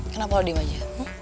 kenapa lo diam aja